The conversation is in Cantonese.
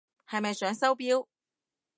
係咪想收錶？